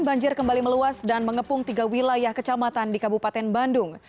banjir kembali meluas dan mengepung tiga wilayah kecamatan di kabupaten bandung